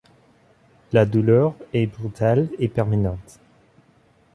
La douleur est brutale et permanente.